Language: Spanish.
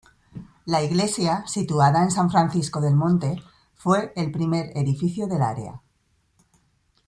La iglesia situada en San Francisco del Monte fue el primer edificio del área.